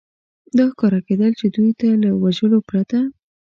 دا ښکاره کېدل، چې دوی ته له وژلو پرته.